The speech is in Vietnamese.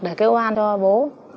để kêu oan cho bố